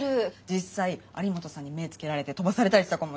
実際有本さんに目つけられて飛ばされたりした子もいるってよ。